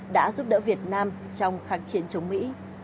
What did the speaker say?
đã giúp đỡ việt nam trong kháng chiến chống mỹ